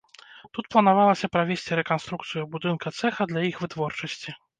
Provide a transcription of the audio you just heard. Тут планавалася правесці рэканструкцыю будынка цэха для іх вытворчасці.